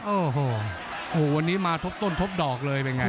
โอ้โหวันนี้มาทบต้นทบดอกเลยเป็นไง